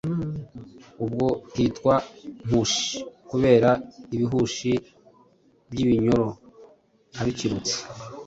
ubwo hitwa i Mpushi kubera ibihushi by'ibinyoro. Abikirutse,